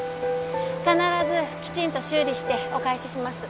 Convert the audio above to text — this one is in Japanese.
必ずきちんと修理してお返しします